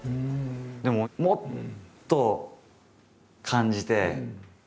でももっと感じてあれ？